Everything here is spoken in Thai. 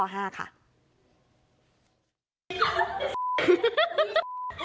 โอ๊ยจับหัวมาลงดิเออ